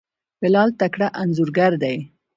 بلال تکړه انځورګر دی.